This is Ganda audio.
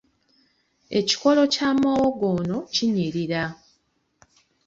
Ekikoolo kya muwogo ono kinyirira.